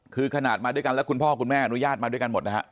คือขนาดมาด้วยกันแล้วคุณพ่อคุณแม่อนุญาตมาด้วยกันหมดนะฮะ